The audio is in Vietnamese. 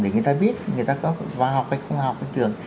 để người ta biết người ta có vào học hay không vào học ở trường